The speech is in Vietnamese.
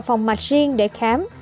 phòng mạch riêng để khám